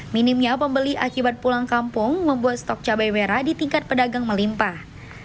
minimnya pembeli akibat pulang kampung membuat stok cabai merah di tingkat pedagang melimpah